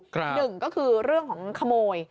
หนึ่งก็คือเรื่องของขโมย